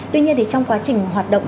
tuy nhiên trong quá trình hoạt động